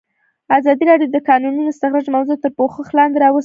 ازادي راډیو د د کانونو استخراج موضوع تر پوښښ لاندې راوستې.